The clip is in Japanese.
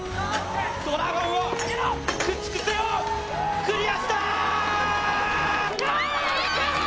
ドラゴンを駆逐せよ、クリアした！